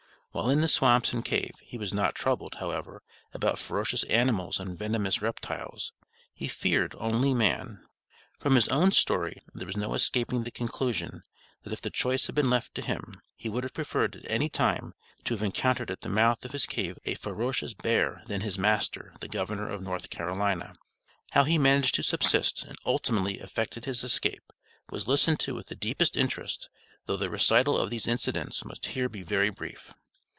While in the swamps and cave, he was not troubled, however, about ferocious animals and venomous reptiles. He feared only man! From his own story there was no escaping the conclusion, that if the choice had been left to him, he would have preferred at any time to have encountered at the mouth of his cave a ferocious bear than his master, the governor of North Carolina. How he managed to subsist, and ultimately effected his escape, was listened to with the deepest interest, though the recital of these incidents must here be very brief.